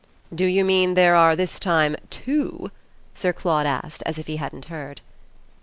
"Do you mean there are this time two?" Sir Claude asked as if he hadn't heard.